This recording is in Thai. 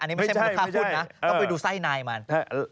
อันนี้ไม่ใช่มูลค่าหุ้นนะต้องไปดูไส้ในมันไม่ใช่ไม่ใช่